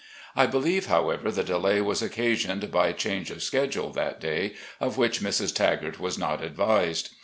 I believe, however, the delay was occasioned by change of schedule that day, of which Mrs. Tagart was not advised.